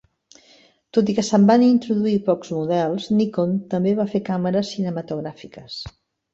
Tot i que se'n van introduir pocs models, Nikon també va fer càmeres cinematogràfiques.